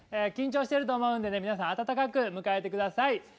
緊張してると思うんでね皆さん温かく迎えてください。